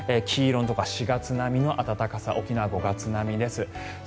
黄色は４月並みの暖かさ沖縄、５月並みです。